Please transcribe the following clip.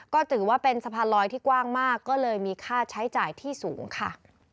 ก็ถือว่าเป็นสะพานลอยที่กว้างมากก็เลยมีค่าใช้จ่ายที่สูงค่ะ